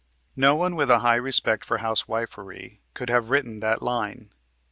No one with a high respect for housewifery could have written that line.